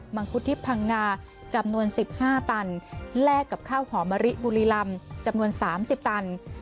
มังคุดทิพย์พังงาจำนวนสิบห้าตันแลกกับข้าวหอมะริบุรีลำจำนวนสามสิบตัน